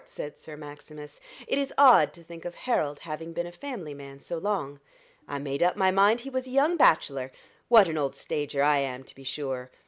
said Sir Maximus, "it is odd to think of Harold having been a family man so long. I made up my mind he was a young bachelor. What an old stager I am, to be sure!